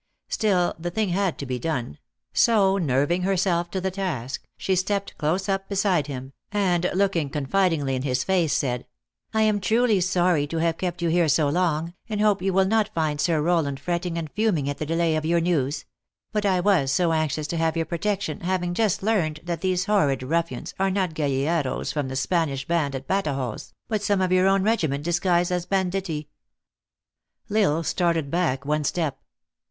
Still the thing had to be done ; so nerving herself to the task, she stepped close up beside him, and looking confidingly in his face, said :" I am truly sorry to have kept you here so long, and hope you will not find Sir Rowland fret ting and fuming at the delay of your news ; but I was so anxious to have your protection, having just learned that these horrid ruffians are not gumllcros from the Spanish band at Badajoz, but some of your own regi ment disguised as banditti." L Isle started back one step.